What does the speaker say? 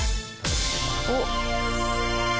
おっ！